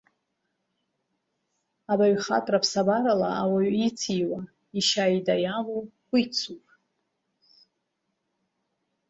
Абаҩхатәра ԥсабарала ауаҩ ициуа, ишьаида иалоу кәицуп.